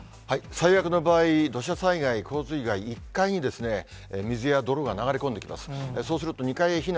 最悪の場合、土砂災害、洪水害、１階に水や泥が流れ込んできます。